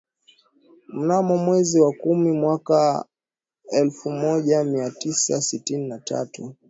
Mnamo mwezi wa kumi mwaka elfu moja mia tisa sitini na tatu